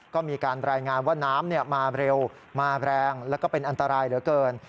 ก็มีการรายงานว่าน้ำมาเร็วมาแรงแล้วก็เป็นอันตรายเหลือเกิน